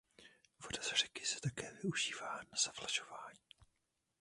Voda z řeky se také využívá na zavlažování.